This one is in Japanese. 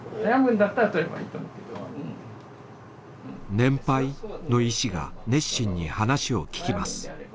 年配？の医師が熱心に話を聞きます。